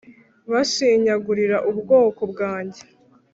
Bashinyagurira ubwoko bwanjye.